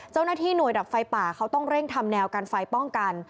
เจ้าหน้าที่หน่วยดับไฟป่าเขาต้องเร่งทำแนวกันไฟป้องกัน